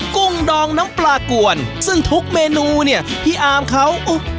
กุ้งดองน้ำปลากวนซึ่งทุกเมนูเนี่ยพี่อาร์มเขา